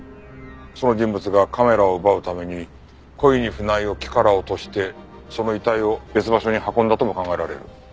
その人物がカメラを奪うために故意に船井を木から落としてその遺体を別場所に運んだとも考えられる。